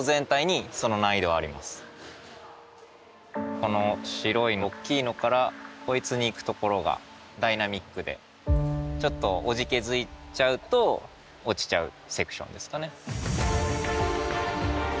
この白い大きいのからこいつにいくところがダイナミックでちょっとおじけづいちゃうと落ちちゃうセクションですかね。